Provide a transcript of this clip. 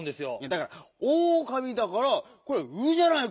だから「おうかみ」だからこれ「う」じゃないか！